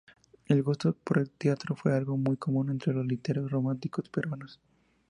El gusto por el teatro fue algo común entre los literatos románticos peruanos.